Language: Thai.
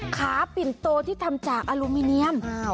ขาปิ่นโตที่ทำจากอลูมิเนียม